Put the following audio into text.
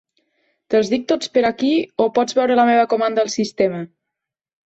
Te'ls dic tots per aquí, o pots veure la meva comanda al sistema?